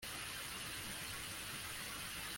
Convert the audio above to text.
Igihe umuntu ahinduye imirire akareka